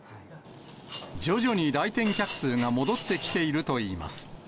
徐々に来店客数が戻ってきているといいます。